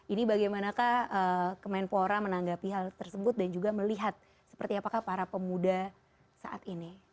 ini bagaimanakah kemenpora menanggapi hal tersebut dan juga melihat seperti apakah para pemuda saat ini